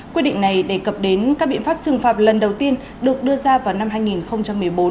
quyết định này đề cập đến các biện pháp trừng phạt lần đầu tiên được đưa ra vào năm hai nghìn một mươi bốn